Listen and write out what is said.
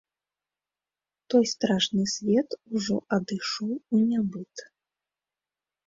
Той страшны свет ужо адышоў у нябыт.